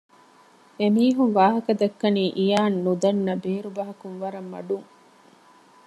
އެމީހުން ވާހަކަދައްކަނީ އިޔާން ނުދަންނަ ބޭރު ބަހަކުން ވަރަށް މަޑުން